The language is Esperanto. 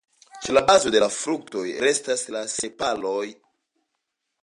Ĉe la bazo de la fruktoj restas la sepaloj.